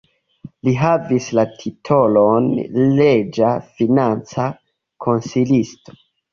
Li havis la titolon reĝa financa konsilisto.